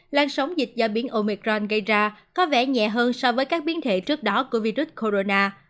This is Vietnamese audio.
lan sóng dịch do biến omicron gây ra có vẻ nhẹ hơn so với các biến thể trước đó của virus corona